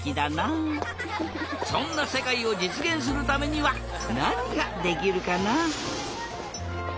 そんなせかいをじつげんするためにはなにができるかな？